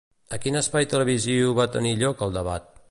A quin espai televisiu va tenir lloc el debat?